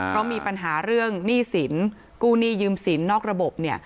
เพราะมีปัญหาเรื่องหนี้สินกู้หนี้ยืมสินนอกระบบเนี่ย